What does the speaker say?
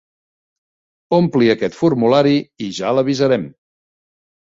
Ompli aquest formulari i ja l'avisarem.